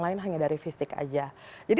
lain hanya dari fisik aja jadi